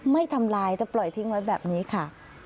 ไม่ทำลายจะปล่อยทิ้งไว้แบบนี้ค่ะ